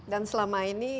dan selama ini